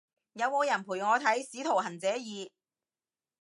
有冇人陪我睇使徒行者二？